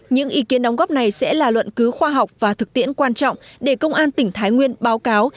những ý kiến đóng góp này sẽ là luận cứu khoa học và thực tiễn quan trọng để công an tỉnh thái nguyên báo cáo